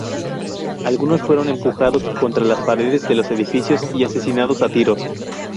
Algunos fueron empujados contra las paredes de los edificios y asesinados a tiros.